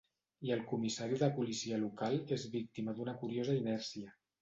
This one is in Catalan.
I el comissari de policia local és víctima d'una curiosa inèrcia.